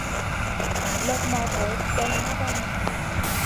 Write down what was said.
Loɓ ma vayd ka maganou.